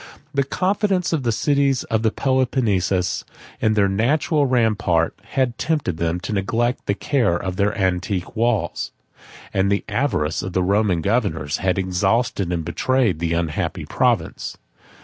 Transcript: The confidence of the cities of Peloponnesus in their natural rampart, had tempted them to neglect the care of their antique walls; and the avarice of the Roman governors had exhausted and betrayed the unhappy province.